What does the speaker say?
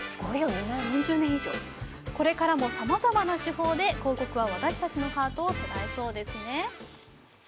これからもさまざまな手法で広告は私たちのハートを捉えそうですね。